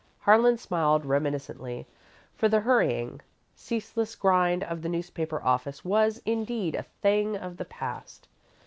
Harlan smiled reminiscently, for the hurrying, ceaseless grind of the newspaper office was, indeed, a thing of the past.